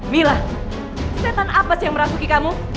mila setan apa sih yang merasuki kamu